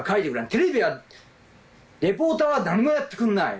テレビは、リポーターは何もやってくれない。